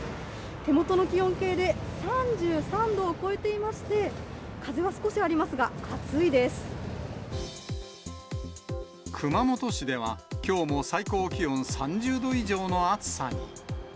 手元の気温計で３３度を超えていまして、風は少しありますが、熊本市では、きょうも最高気温３０度以上の暑さに。